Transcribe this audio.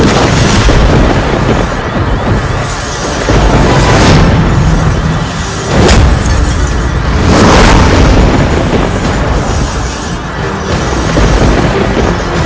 daripada grab for activity